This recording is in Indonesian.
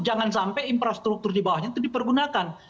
jangan sampai infrastruktur di bawahnya itu dipergunakan